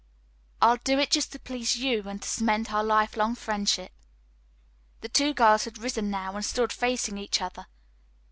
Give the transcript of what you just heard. "I'll do it just to please you and to cement our life long friendship." The two girls had risen now, and stood facing each other.